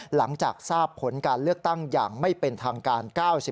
หลังจากทราบผลการเลือกตั้งอย่างไม่เป็นทางการ๙๐